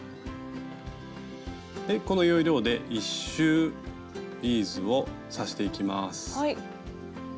この要領で１周ビーズを刺していきます。